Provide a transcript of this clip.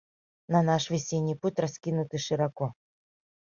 На наш весенний путь, раскинутый широко